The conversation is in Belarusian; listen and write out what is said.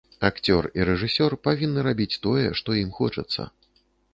Акцёр і рэжысёр павінны рабіць тое, што ім хочацца.